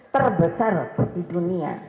terbesar di dunia